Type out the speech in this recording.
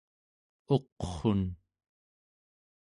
uqrun¹